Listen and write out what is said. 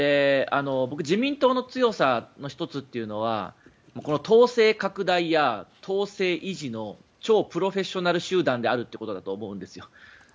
僕自民党の強さの１つというのはこの党勢拡大や党勢維持の超プロフェッショナル集団であるってことだと思うんです。